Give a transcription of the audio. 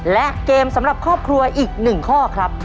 และเกมสำหรับครอบครัวอีก๑ข้อครับ